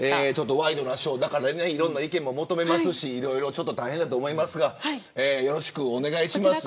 ワイドナショーだからいろんな意見も求めますしいろいろ大変だと思いますがよろしくお願いします。